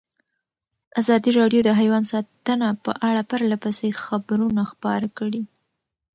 ازادي راډیو د حیوان ساتنه په اړه پرله پسې خبرونه خپاره کړي.